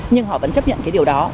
nhưng họ vẫn chấp nhận cái điều đó